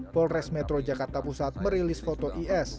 polres metro jakarta pusat merilis foto is